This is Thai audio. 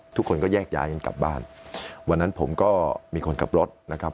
ทุกคนก็แยกย้ายกันกลับบ้านวันนั้นผมก็มีคนกลับรถนะครับ